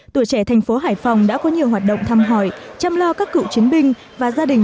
tuổi trẻ thành phố hải phòng đã có nhiều hoạt động thăm hỏi chăm lo các cựu chiến binh và gia đình